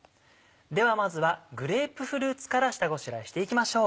ではまずはグレープフルーツから下ごしらえしていきましょう。